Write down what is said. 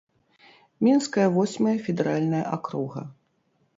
Мінская восьмая федэральная акруга.